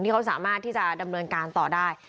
เขาสามารถที่จะดำเนินการต่อได้